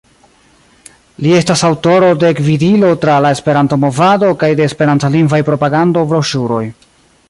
Li estas aŭtoro de "Gvidilo tra la Esperanto-movado" kaj de Esperantlingvaj propagando-broŝuroj.